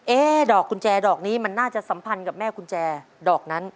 ดอกกุญแจดอกนี้มันน่าจะสัมพันธ์กับแม่กุญแจดอกนั้น